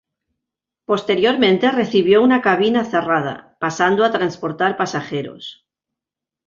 Posteriormente, recibió una cabina cerrada, pasando a transportar pasajeros.